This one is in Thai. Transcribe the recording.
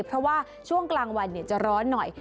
เพราะว่าช่วงกลางวันจะร้อนหน่อย